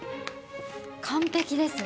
完璧です。